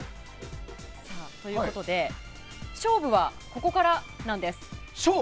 ということで勝負はここからなんです。